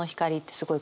すごい。